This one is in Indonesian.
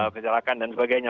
kejelakan dan sebagainya